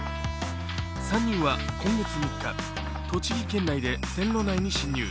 ３人は今月３日、栃木県内で線路内に侵入。